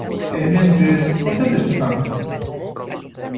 E, mentres, ¿vostedes que fan?